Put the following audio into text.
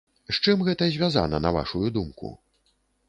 З чым гэта звязана на вашую думку?